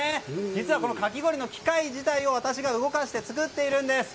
実は、このかき氷の機械自体を私が動かして作っているんです。